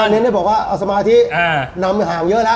อนั่นจะบอกว่าสมาธินำห่างเยอะแล้ว